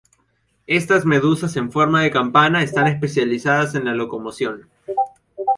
Estas medusas en forma de campana están especializadas en la locomoción.